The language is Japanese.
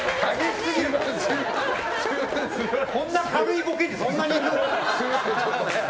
こんな軽いボケにそんなにいく？